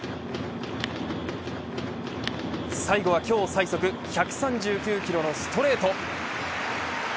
最後は今日最速１３９キロのストレート。